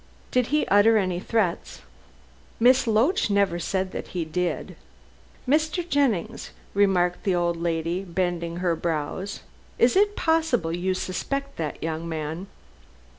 "Did he utter any threats?" "Miss Loach never said that he did. Mr. Jennings," remarked the old lady, bending her brows, "is it possible you suspect that young man?"